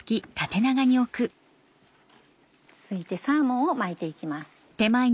続いてサーモンを巻いて行きます。